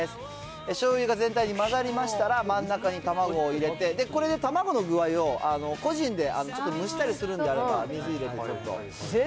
しょうゆが全体に混ざりましたら、真ん中に卵を入れて、これで卵の具合を、個人でちょっと蒸したりするんであれば、水入れてちょっと。